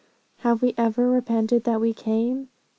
And have we ever repented that we came?